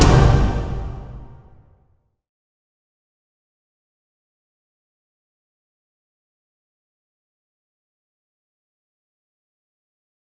jadi tempung dan balai balai